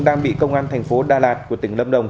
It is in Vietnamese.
đang bị công an thành phố đà lạt của tỉnh lâm đồng